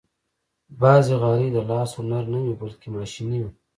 بعضې غالۍ د لاس هنر نه وي، بلکې ماشيني وي.